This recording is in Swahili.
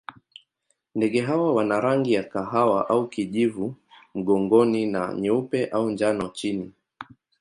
Ndege hawa wana rangi ya kahawa au kijivu mgongoni na nyeupe au njano chini.